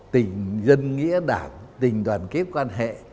tình dân nghĩa đảng tình đoàn kết quan hệ